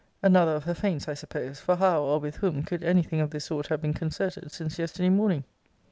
Another of her feints, I suppose: for how, or with whom, could any thing of this sort have been concerted since yesterday morning?